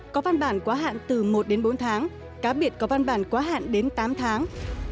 có văn bản quá hạn từ một đến bốn tháng cá biệt có văn bản quá hạn đến tám tháng